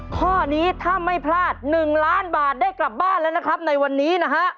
ข้อนี้ถ้าไม่พลาด๑ล้านบาทได้กลับบ้านแล้วนะครับในวันนี้นะฮะ